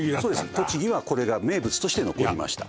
栃木はこれが名物として残りました